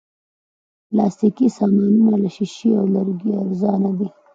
پلاستيکي سامانونه له شیشې او لرګي ارزانه دي.